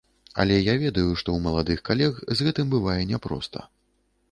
Але я ведаю, што ў маладых калег з гэтым бывае няпроста.